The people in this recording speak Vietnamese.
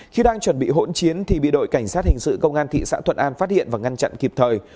khi đang chuẩn bị hỗn chiến thì bị đội cảnh sát hình sự công an thị xã thuận an phát hiện và ngăn chặn kịp thời